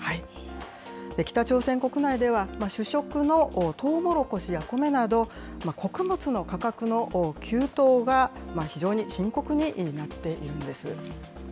北朝鮮国内では、主食のトウモロコシやコメなど、穀物の価格の急騰が非常に深刻になっているんです。